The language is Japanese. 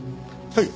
はい。